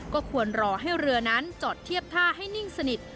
ก็ควรรอให้เรือนั้นจอดเทียบท่าให้นิ่งสนิท